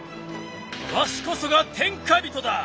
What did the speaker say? わしこそが天下人だ！